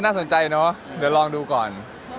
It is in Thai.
สนใจเนอะเดี๋ยวลองดูก่อน